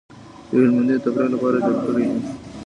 یو هلمندي د تفریح لپاره جوړ کړی دی.